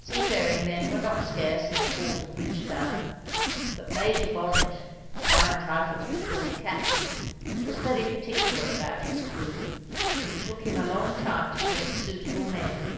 Seafaring men were not scarce in the port of Bridgetown, but Major Bonnet, now entitled to be called "Captain," was very particular about his crew, and it took him a long time to collect suitable men.